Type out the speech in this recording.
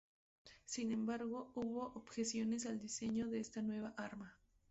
Sin embargo, hubo objeciones al diseño de esta nueva arma.